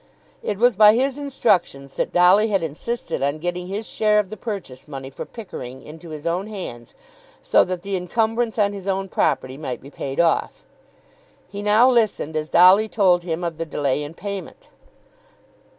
It was by his instructions that Dolly had insisted on getting his share of the purchase money for Pickering into his own hands, so that the incumbrance on his own property might be paid off. He now listened as Dolly told him of the delay in the payment.